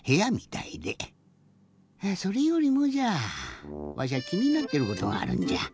それよりもじゃあわしゃきになってることがあるんじゃ。